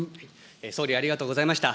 総理、ありがとうございました。